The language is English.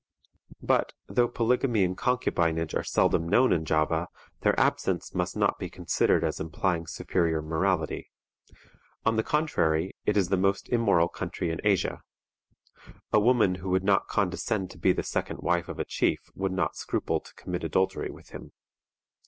But, though polygamy and concubinage are seldom known in Java, their absence must not be considered as implying superior morality. On the contrary, it is the most immoral country in Asia. A woman who would not condescend to be the second wife of a chief would not scruple to commit adultery with him.